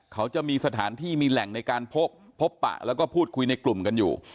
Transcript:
เขาจะมีสถานที่มีแหล่งในการพบพบปะแล้วก็พูดคุยในกลุ่มกันอยู่